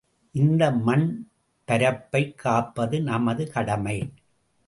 இந்த மண் பரப்பைக் காப்பது நமது கடமை.